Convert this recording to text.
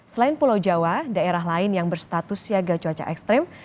selain pulau jawa daerah lain yang berstatus siaga cuaca ekstrim